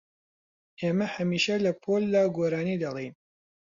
ئێمە هەمیشە لە پۆلدا گۆرانی دەڵێین.